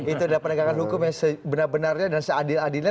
itu adalah penegakan hukum yang sebenar benarnya dan seadil adilnya